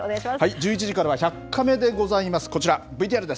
１１時からは１００カメでございます。